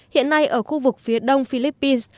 hiện nay ở khu vực phía đông philippines